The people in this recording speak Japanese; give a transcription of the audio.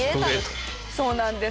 そうなんです。